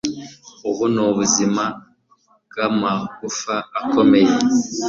Ubu n'Ubuzima bw'amagufa akomeye